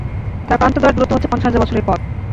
তাঁর প্রান্তদ্বয়ের দূরত্ব হচ্ছে পঞ্চাশ হাজার বছরের পথ।